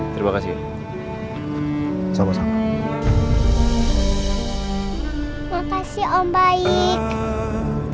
terima kasih om baik